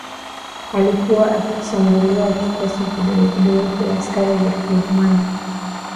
alikuwa akivishambulia vikosi vidogo vidogo vya askari vya Kijerumani